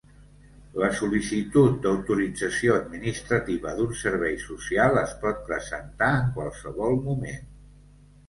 La sol·licitud d'autorització administrativa d'un servei social es pot presentar en qualsevol moment.